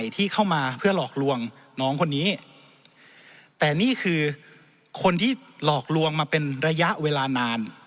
แต่นี่คือคนที่หลอกลวงมาเป็นระยะเวลานาน